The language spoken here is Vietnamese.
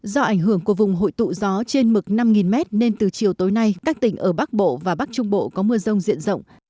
do ảnh hưởng của vùng hội tụ gió trên mực năm m nên từ chiều tối nay các tỉnh ở bắc bộ và bắc trung bộ có mưa rông diện rộng